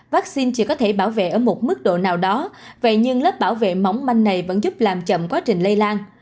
vaccine chỉ có thể bảo vệ ở một mức độ nào đó vậy nhưng lớp bảo vệ mỏng manh này vẫn giúp làm chậm quá trình lây lan